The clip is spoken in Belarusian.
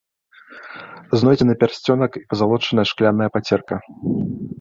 Знойдзены пярсцёнак і пазалочаная шкляная пацерка.